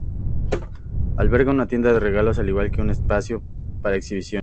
Alberga una tienda de regalos al igual que un espacio para exhibiciones.